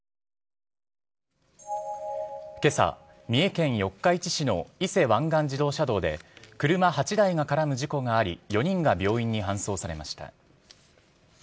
けさ、三重県四日市市の伊勢湾岸自動車道で、車８台が絡む事故があり、４人が病院に搬送されました。